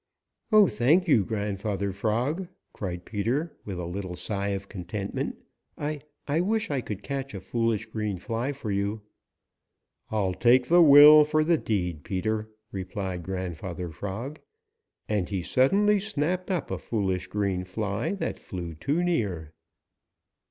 "Oh, thank you, Grandfather Frog," cried Peter with a little sigh of contentment. "I I wish I could catch a foolish green fly for you." "I'll take the will for the deed, Peter," replied Grandfather Frog. And he suddenly snapped up a foolish green fly that flew too near.